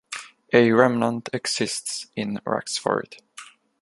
A remnant exists in Rexford.